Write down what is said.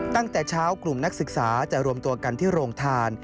ตั้งแต่เช้ากลุ่มนักศึกษาจะรวมตัวกันที่โรงทาน